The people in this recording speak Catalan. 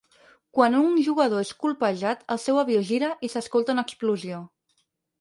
Quan un jugador és colpejat, el seu avió gira i s'escolta una explosió.